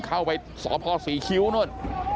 เข้าไปสพศรีคิ้วนู่น